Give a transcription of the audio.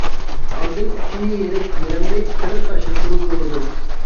ئاندىن ئۇچىنى يېرىپ يىرىڭنى چىقىرىپ تاشلىسىڭىز بولىدۇ.